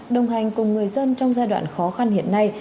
đồng hành cùng người dân trong giai đoạn khó khăn hiện nay